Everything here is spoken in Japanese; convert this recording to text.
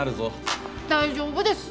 大丈夫です！